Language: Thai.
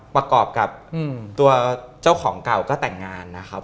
ประกอบกับตัวเจ้าของเก่าก็แต่งงานนะครับ